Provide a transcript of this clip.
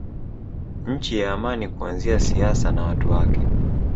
Nchi ya amani kuanzia siasa na watu wake